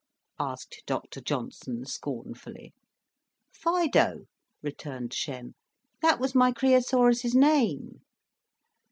asked Doctor Johnson, scornfully. "Fido," returned Shem. "'That was my Creosaurus's name."